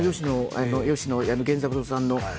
吉野源三郎さんの。